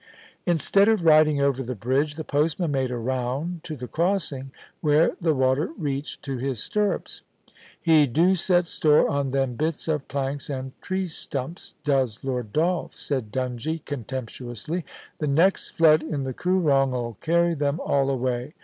Instead of riding over the bridge, the postman made a round to the crossing, where the water reached to his stirrups. * He do set store on them bits of planks and tree stumps, does Lord Dolph,' said Dungie, contemptuously. 'The next flood in the Koorong 'ull carry them all away.